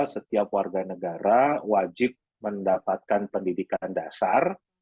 setiap warga negara wajib mendapatkan pendidikan dasar